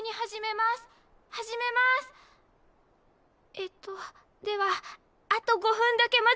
えとではあと５分だけ待ちます。